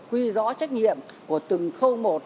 quy rõ trách nhiệm của từng khâu một